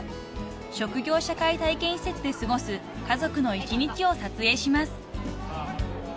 ［職業社会体験施設で過ごす家族の一日を撮影します］